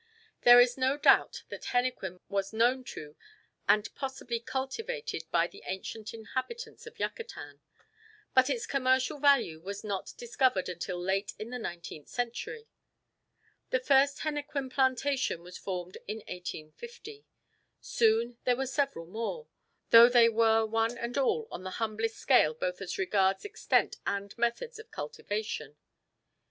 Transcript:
There is no doubt that henequen was known to and possibly cultivated by the ancient inhabitants of Yucatan; but its commercial value was not discovered until late in the nineteenth century. The first henequen plantation was formed in 1850. Soon there were several more, though they were one and all on the humblest scale both as regards extent and methods of cultivation.